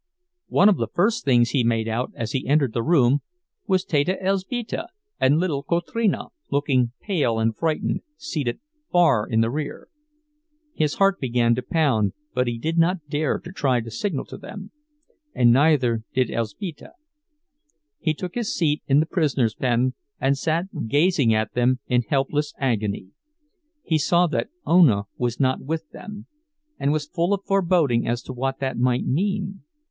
One of the first things he made out as he entered the room was Teta Elzbieta and little Kotrina, looking pale and frightened, seated far in the rear. His heart began to pound, but he did not dare to try to signal to them, and neither did Elzbieta. He took his seat in the prisoners' pen and sat gazing at them in helpless agony. He saw that Ona was not with them, and was full of foreboding as to what that might mean.